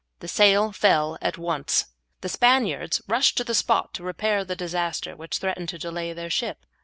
The sail fell at once. The Spaniards rushed to the spot to repair the disaster which threatened to delay their ship.